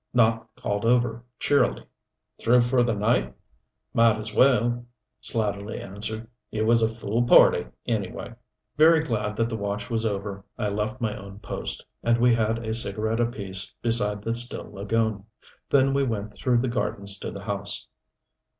Nopp called over, cheerily, "Through for the night?" "Might as well," Slatterly answered. "It was a fool party anyway." Very glad that the watch was over, I left my own post, and we had a cigarette apiece beside the still lagoon. Then we went through the gardens to the house.